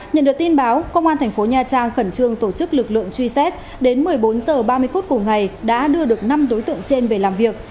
nhận được tin báo công an thành phố nha trang khẩn trương tổ chức lực lượng truy xét đến một mươi bốn h ba mươi phút cùng ngày đã đưa được năm đối tượng trên về làm việc